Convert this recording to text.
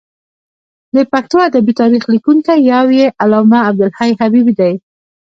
د پښتو ادبي تاریخ لیکونکی یو یې علامه عبدالحی حبیبي دی.